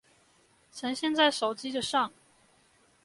呈現在手機的上